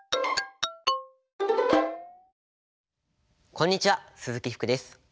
こんにちは鈴木福です。